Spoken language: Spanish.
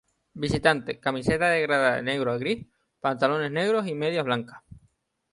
Visitante: Camiseta degradada de negro a gris, pantalones negros y medias blancas.